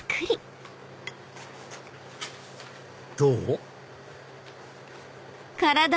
どう？